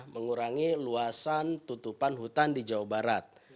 mengurangi luasan tutupan hutan di jawa barat